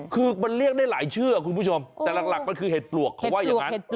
คือมันเรียกได้หลายชื่อคุณผู้ชมแต่หลักมันคือเห็ดปลวกเขาว่าอย่างนั้น